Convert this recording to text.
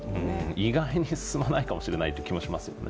意外に進まないかもしれないという気もしますよね。